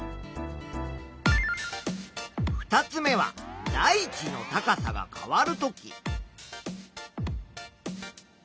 ２つ目は大地の高さが変わるとき。